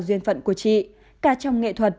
tên phận của chị ca trong nghệ thuật